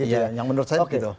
ya yang menurut saya begitu